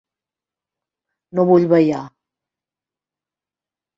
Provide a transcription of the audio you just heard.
No vull ballar.